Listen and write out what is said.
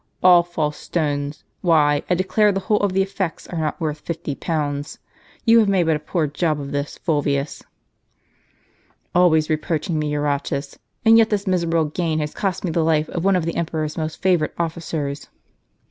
"All false stones! Why, I declare the whole of the effects are not worth fifty pounds. You have made but a poor job of this, Fulvius." " Always reproaching me, Eurotas. And yet this misera ble gain has cost me the life of one of the emperor's most favorite officers."